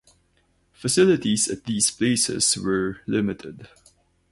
Facilities at these places were limited.